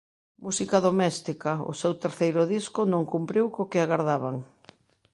Música doméstica, o seu terceiro disco, non cumpriu co que agardaban.